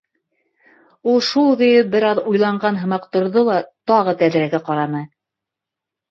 Ул шул көйө бер аҙ уйланған һымаҡ торҙо ла тағы тәҙрәгә ҡараны.